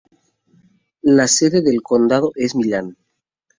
La sede del condado es Milan.